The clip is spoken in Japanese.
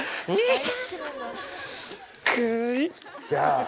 じゃあ。